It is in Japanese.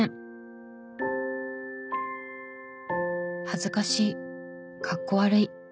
「恥ずかしい」「かっこ悪い」。